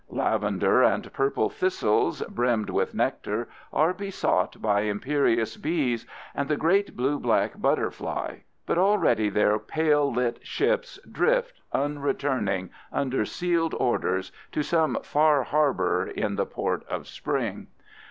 Lavender and purple thistles, brimmed with nectar, are besought by imperious bees and the great blue black butterfly, but already their pale lit ships drift, unreturning, under sealed orders, to some far harbor in the port of spring.